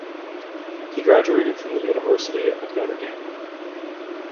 He graduated from the University of Notre Dame.